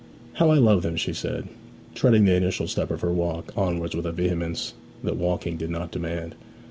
'How I love them!' she said, treading the initial step of her walk onwards with a vehemence that walking did not demand.